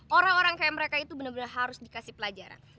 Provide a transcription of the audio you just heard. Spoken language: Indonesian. orang orang kayak mereka itu benar benar harus dikasih pelajaran